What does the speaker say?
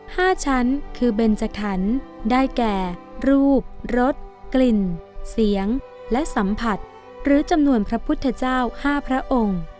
ห้าชั้นคือเบนจขันได้แก่รูปรถกลิ่นเสียงและสัมผัสหรือจำนวนพระพุทธเจ้าห้าพระองค์